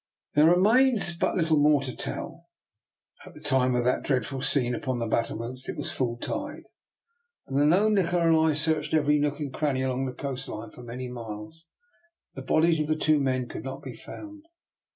There remains but little more to tell. At the time of that dreadful scene upon the battlements it was full tide; and though Nikola and I searched every nook and cranny along the coast line for many miles, the bodies of the two men could not be found.